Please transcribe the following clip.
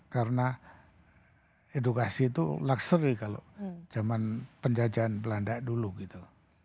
karena edukasi itu luxury kalau zaman penjajahan belanda dulu gitu